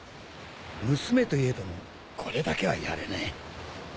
娘といえどもこれだけはやれねえ。